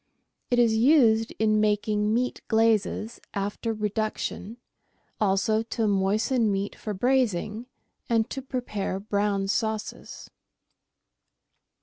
It is used in making meat glazes after reduction, also to moisten meat for braising and to prepare brown sauces.